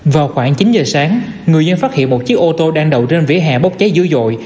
vào khoảng chín giờ sáng người dân phát hiện một chiếc ô tô đang đậu trên vỉa hè bốc cháy dữ dội